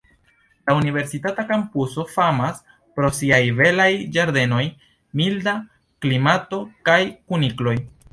La universitata kampuso famas pro siaj belaj ĝardenoj, milda klimato kaj kunikloj.